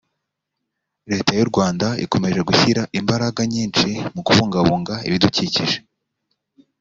leta y u rwanda ikomeje gushyira imbaraga nyinshi mu kubungabunga ibidukikije.